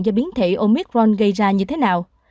do biến thể omicron gây ra như thế nào